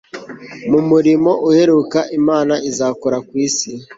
Mu murimo uheruka Imana izakora ku isi